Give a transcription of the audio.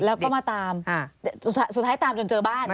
แล้วก็มาตามสุดท้ายตามจนเจอบ้าน